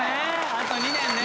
あと２年ね。